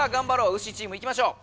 ウシチームいきましょう。